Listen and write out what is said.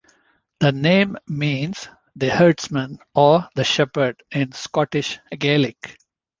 The name means "the herdsman" or "the shepherd" in Scottish Gaelic.